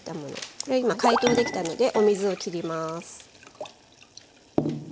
これ今解凍できたのでお水をきります。